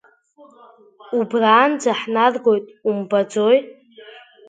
Убранӡа ҳнаргоит, умбаӡои?